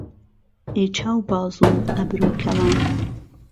ئهی چاو باز و ئهبرۆ کهوان